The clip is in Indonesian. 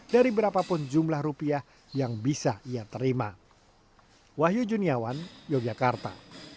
dari berapapun jumlah rupiah yang bisa ia terima wahyu juniawan yogyakarta